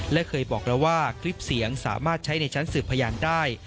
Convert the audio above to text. และเคยบอกแล้วว่าคลิปเสียงสามารถใช้ในชั้นสืบพยานได้